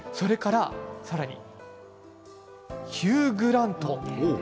さらに、ヒュー・グラント。